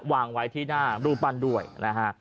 วางไว้ที่หน้ารูปปั้นด้วยนะฮะ